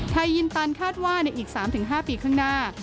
ยินตันคาดว่าในอีก๓๕ปีข้างหน้า